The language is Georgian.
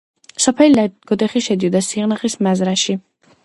სოფელი ლაგოდეხი შედიოდა სიღნაღის მაზრაში.